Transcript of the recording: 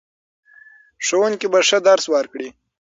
ښوونکي به ښه درس ورکړي.